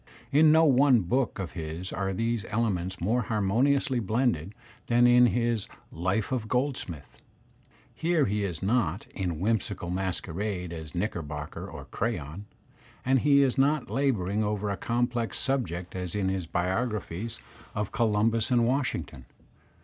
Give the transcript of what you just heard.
In no one book of his are these ele ments more harmoniously blended than in his *'Life of Gold smith." Here he is not in whimsical masquerade as Knicker bocker or Crayon, and he is not labouring over a complex subject as in his biographies of Columbus and Washington.